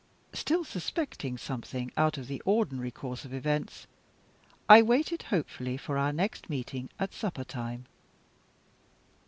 Still suspecting something out of the ordinary course of events, I waited hopefully for our next meeting at supper time.